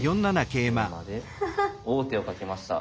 桂馬で王手をかけました。